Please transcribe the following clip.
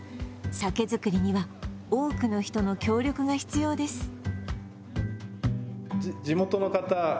酒造りには多くの人の協力が必要です。